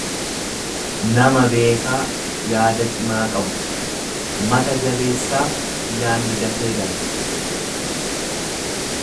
nama beekaa, yaada cimaa qabu; Mata qabeessaaf yaanni dafee gala.